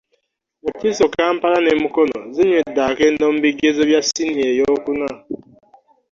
Wakiso, Kampala ne Mukono zinywedde akende mu bigezo bya siniya ey'okuna